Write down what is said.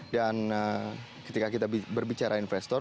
dan ketika kita berbicara investor